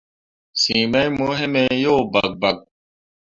Siŋ mai mo heme yo bakbak.